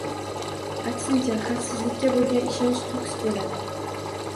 Aksincha, xavfsizlikka bo‘lgan ishonch to‘kis bo‘ladi